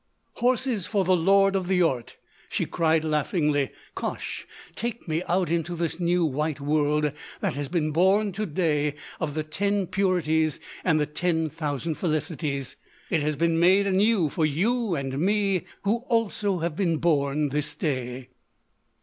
"Horses for the lord of the Yiort!" she cried, laughingly. "Kosh! Take me out into this new white world that has been born to day of the ten purities and the ten thousand felicities! It has been made anew for you and me who also have been born this day!"